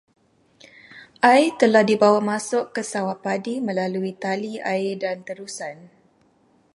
Air telah dibawa masuk ke sawah padi melalui tali air dan terusan.